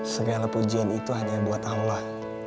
segala pujian itu hanya buat allah